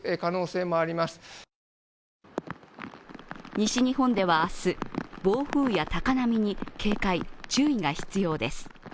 西日本では明日、暴風や高波に警戒・注意が必要です。